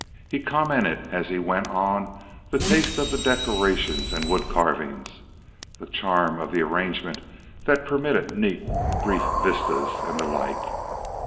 He commented as he went on the taste of the decorations and wood carving, the charm of the arrangement that permitted neat brief vistas, and the like.